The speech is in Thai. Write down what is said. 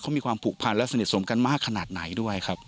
เขามีความผูกพันและสนิทสมกันมากขนาดไหนด้วยครับ